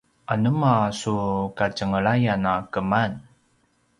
anema su katjengelayan a keman?